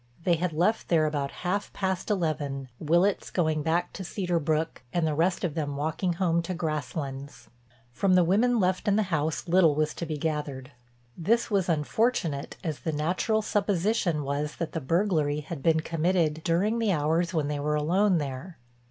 They had left there about half past eleven, Willitts going back to Cedar Brook and the rest of them walking home to Grasslands. From the women left in the house little was to be gathered. This was unfortunate as the natural supposition was that the burglary had been committed during the hours when they were alone there.